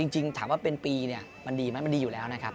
จริงถามว่าเป็นปีเนี่ยมันดีไหมมันดีอยู่แล้วนะครับ